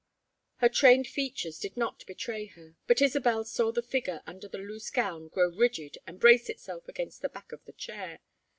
Her trained features did not betray her, but Isabel saw the figure under the loose gown grow rigid and brace itself against the back of the chair.